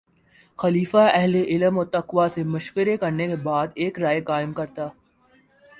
خلیفہ اہلِ علم و تقویٰ سے مشورہ کرنے کے بعد ایک رائے قائم کرتا